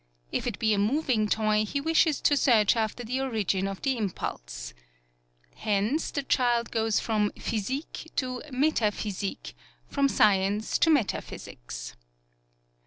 If it be a moving toy, he wishes to search after the origin of the impulse. Hence the child goes from Physique to Meta 49 PAULOWNIA physique, from science to metaphysics.